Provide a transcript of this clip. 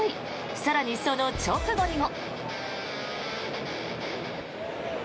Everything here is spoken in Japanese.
更に、その直後にも。